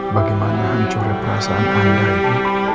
bagaimana hancurin perasaan anda ini